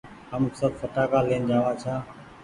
هم سب ڦٽآ ڪآ لين آ وآن ڇآن